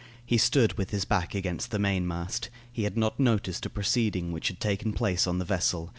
He stood with his back against the mainmast. He had not noticed a proceeding which had taken place on the vessel.